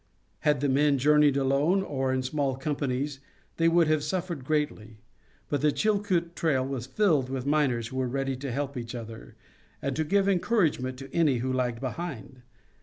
Had the men journeyed alone, or in small companies, they would have suffered greatly, but the Chilkoot trail was filled with miners who were ready to help each other, and to give encouragement to any who lagged behind.